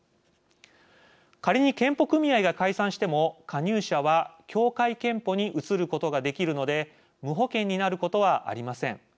仮に健保組合が解散しても加入者は協会けんぽに移ることができるので無保険になることはありません。